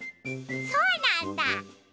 そうなんだ！